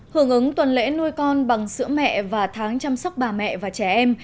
hưởng ứng tuần lễ nuôi con bằng sữa mẹ và tháng chăm sóc bà mẹ và trẻ em